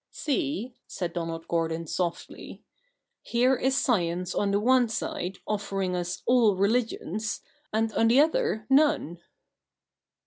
' See,' said Donald Gordon softly, ' here is science on the one side offering us all religions, and on the other none.'